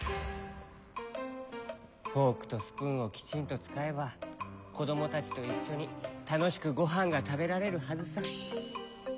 フォークとスプーンをきちんとつかえばこどもたちといっしょにたのしくごはんがたべられるはずさ。